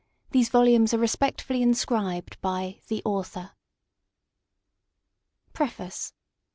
THESE VOLUMES Are respectfully inscribed BY THE AUTHOR Back to Top PREFACE.